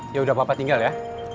yaudah papa tinggal ya